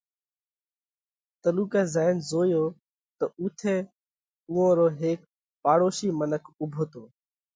تلُوڪئہ زائينَ زويو تو اُوٿئہ اُوئون رو هيڪ پاڙوشي منک اُوڀو تو